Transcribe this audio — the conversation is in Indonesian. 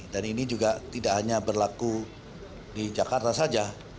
dan ini juga tidak hanya berlaku di jakarta saja